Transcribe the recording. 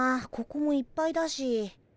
ここもいっぱいだし。